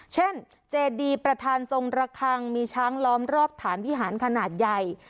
เช่นเจดีประธานทรงระคังมีช้างล้อมรอบฐานวิหารขนาดใหญ่